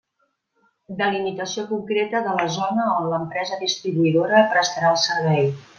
Delimitació concreta de la zona on l'empresa distribuïdora prestarà el servei.